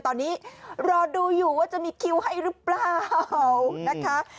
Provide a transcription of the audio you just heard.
ตอนนี้รอดูอยู่ว่าจะมีคิวให้หรือเปล่านะคะ